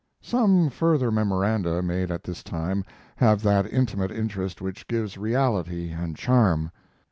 Some further memoranda made at this time have that intimate interest which gives reality and charm.